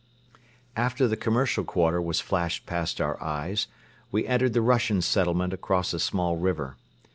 After the commercial quarter was flashed past our eyes, we entered the Russian settlement across a small river.